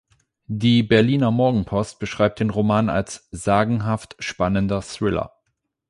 Die Berliner Morgenpost beschreibt den Roman als „"sagenhaft spannender Thriller"“.